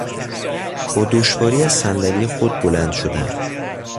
با دشواری از صندلی خود بلند شدن